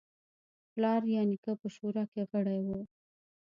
پلار یا نیکه په شورا کې غړی و.